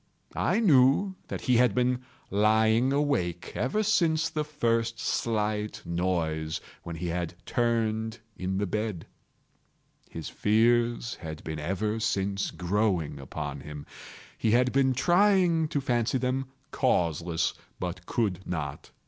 I knew that he had been lying awake ever since the first slight noise, when he had turned in the bed. His fears had been ever since growing upon him. He had been trying to fancy them causeless, but could not.